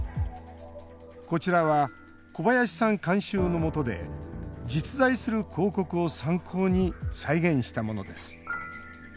こちらは、小林さん監修のもとで実在する広告を参考に再現したものです。